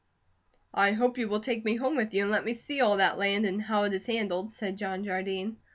"I hope you will take me home with you, and let me see all that land, and how it is handled," said John Jardine.